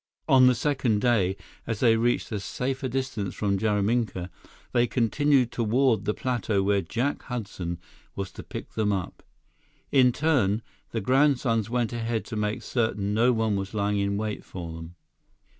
On the second day, as they reached a safer distance from Jaraminka, they continued toward the plateau where Jack Hudson was to pick them up. In turn, the grandsons went ahead to make certain no one was lying in wait for them.